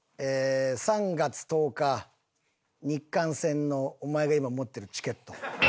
３月１０日日韓戦のお前が今持ってるチケット。